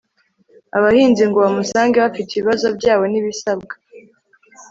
abahinzi ngo bamusange bafite ibibazo byabo nibisabwa